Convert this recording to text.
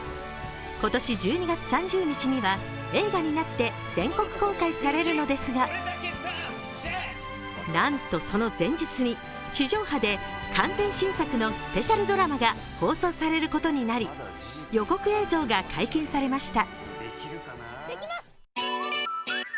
今年１２月３０日には映画になって全国公開されるのですがなんとその前日に地上波で完全新作のスペシャルドラマが放送されることになり、予告映像が解禁されました。